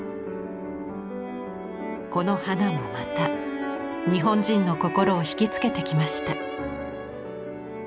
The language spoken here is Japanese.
この花もまた日本人の心をひきつけてきました。